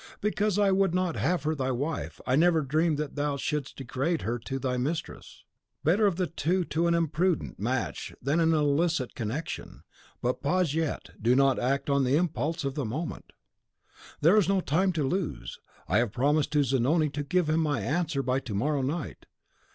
"Because I would not have her thy wife, I never dreamed that thou shouldst degrade her to thy mistress. Better of the two an imprudent match than an illicit connection. But pause yet, do not act on the impulse of the moment." "But there is no time to lose. I have promised to Zanoni to give him my answer by to morrow night.